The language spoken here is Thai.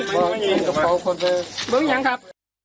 บอกไม่ยังครับ